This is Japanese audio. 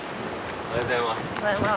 おはようございます。